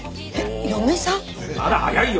まだ早いよ！